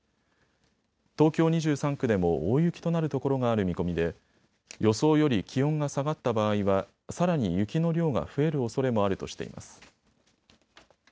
東京２３区でも大雪となるところがある見込みで予想より気温が下がった場合は、さらに雪の量が増えるおそれもあるとしています。